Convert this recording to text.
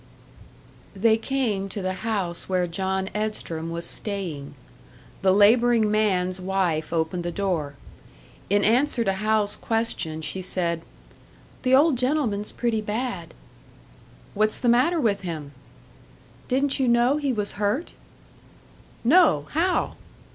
They came to the house where John Edstrom was staying. The labouring man's wife opened the door. In answer to Hal's question, she said, "The old gentleman's pretty bad." "What's the matter with him?" "Didn't you know he was hurt?" "No. How?"